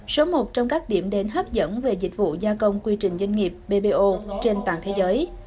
số một trong các điểm đến hấp dẫn về dịch vụ gia công quy trình doanh nghiệp bbo trên toàn thế giới